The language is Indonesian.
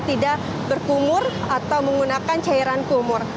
jadi kita bisa berkumur atau menggunakan cairan kumur